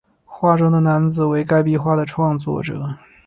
画中的男子为该壁画的创作者。